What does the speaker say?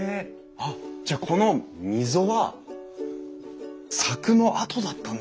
あっじゃあこの溝は柵の跡だったんですかね。